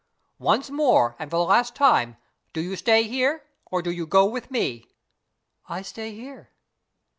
Once more, and for the last time do you stay here? or do you go with me?" "I stay here."